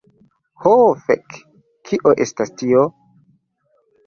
Ho fek. Kio estas tio?